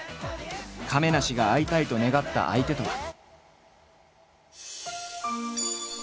亀梨が会いたいと願った相手とは。